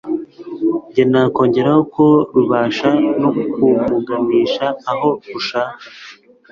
nge nakongeraho ko rubasha no kumuganisha aho rushaka